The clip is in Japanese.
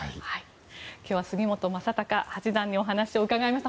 今日は杉本昌隆八段にお話を伺いました。